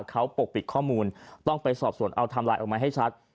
เขาปกปิดข้อมูลต้องไปสอบสวนเอาทำไลน์ออกมาให้ชัด